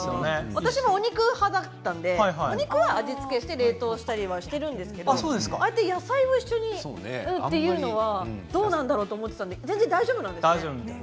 私もお肉派だったのでお肉は味付けをして冷凍していますけれど野菜を一緒にということはどうなんだろうと思っていたけど大丈夫なんですね。